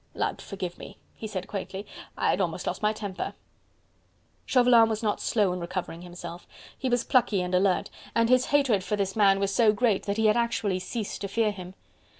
"Lud forgive me!" he said quaintly, "I had almost lost my temper." Chauvelin was not slow in recovering himself. He was plucky and alert, and his hatred for this man was so great that he had actually ceased to fear him.